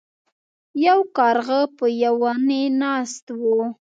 یو کارغه په یو ونې ناست و.